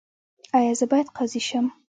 ایا زه باید قاضي شم؟